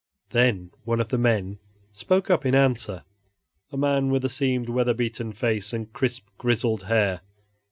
Then one of the men spoke up in answer a man with a seamed, weather beaten face and crisp grizzled hair.